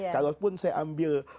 kalaupun saya ambil